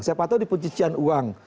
siapa tahu di pencucian uang